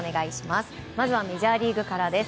まずはメジャーリーグからです。